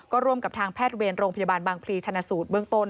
ก็ร่วมกับทางแพทย์เวรโรงพยาบาลบางพลีชนะสูตรเบื้องต้น